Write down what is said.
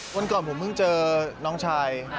วันก่อนผมเพิ่งเจอน้องชาย